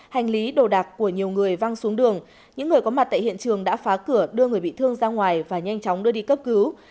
hành lý đồ đạc của nhiều người văng xuống đường những người có mặt tại hiện trường đã phá cửa đưa người bị thương ra ngoài và nhanh chóng đưa đi cấp cứu